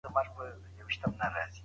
بې له پلانه هېڅ کار نه پرمخ ځي.